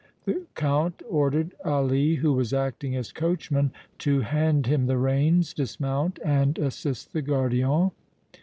The Count ordered Ali, who was acting as coachman, to hand him the reins, dismount and assist the gardien.